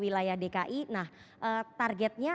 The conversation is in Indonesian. wilayah dki nah targetnya